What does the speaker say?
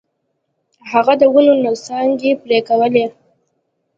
هغه د ونو څانګې پرې کولې.